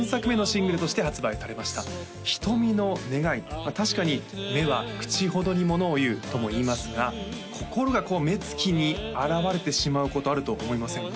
まあ確かに「目は口ほどに物を言う」ともいいますが心が目つきに表れてしまうことあると思いませんか？